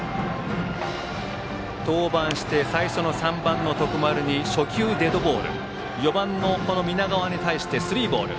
登板して、最初の３番、徳丸に初球デッドボール４番の南川に対してスリーボール。